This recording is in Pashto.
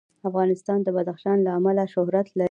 افغانستان د بدخشان له امله شهرت لري.